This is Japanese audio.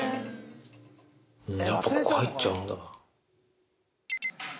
やっぱここ入っちゃうんだ。